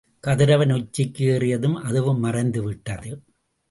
கதிரவன் உச்சிக்கு ஏறியதும் அதுவும் மறைந்து விட்டது.